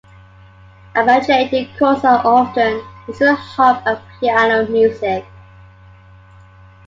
Arpeggiated chords are often used in harp and piano music.